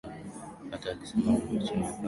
Hata akisema amechoka, anataka muachane